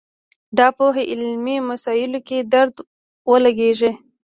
دا پوهه علمي مسایلو کې درد ولګېږي